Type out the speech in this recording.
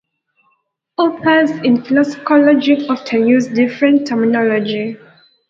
Authors in philosophical logic often use different terminology.